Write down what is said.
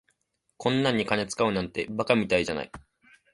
こんなんに金使うなんて馬鹿みたいじゃない。